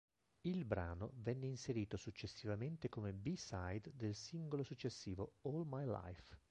Il brano venne inserito successivamente come b-side del singolo successivo "All My Life".